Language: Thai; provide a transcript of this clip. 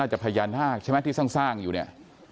จะพญานาคใช่ไหมที่สร้างอยู่เนี่ย